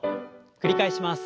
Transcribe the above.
繰り返します。